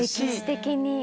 意識的に。